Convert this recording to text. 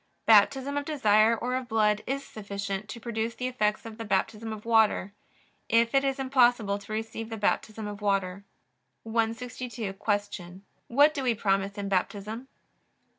Baptism of desire or of blood is sufficient to produce the effects of the Baptism of water, if it is impossible to receive the Baptism of water. 162. Q. What do we promise in Baptism?